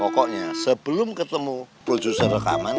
pokoknya sebelum ketemu produser rekaman